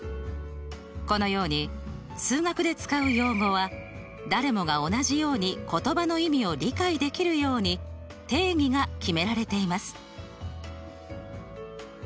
このように数学で使う用語は誰もが同じように言葉の意味を理解できるように定義が決められています。